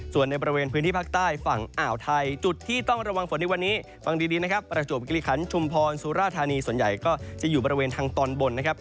ส่วนในบริเวณพื้นที่ภาคใต้ฝั่งอ่าวไทยจุดที่ต้องระวังฝนในวันนี้ฟังดีนะครับประจวบกิริขันชุมพรสุราธานีส่วนใหญ่ก็จะอยู่บริเวณทางตอนบนนะครับ